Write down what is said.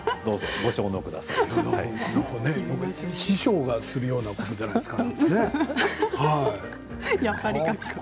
秘書がするようなことじゃないですか。